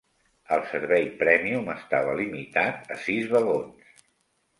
El servei prèmium estava limitat a sis vagons.